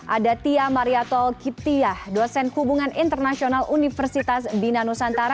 ada tia mariatto kiptiah dosen hubungan internasional universitas bina nusantara